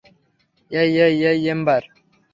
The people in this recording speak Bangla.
এই, এই, এই, এম্বার।